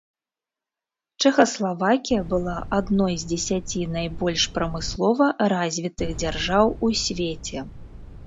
Чэхаславакія была адной з дзесяці найбольш прамыслова развітых дзяржаў у свеце.